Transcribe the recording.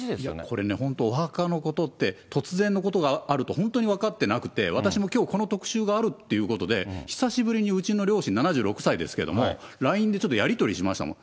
これね、本当にお墓のことって突然のことがあると、本当に分かってなくって、私もきょうこの特集があるということで、久しぶりにうちの両親、７６歳ですけれども、ＬＩＮＥでちょっとやり取りしましたもん。